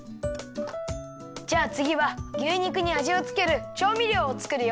じゃあつぎは牛肉にあじをつけるちょうみりょうをつくるよ。